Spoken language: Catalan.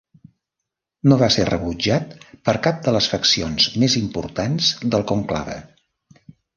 No va ser rebutjat per cap de les faccions més importants del conclave.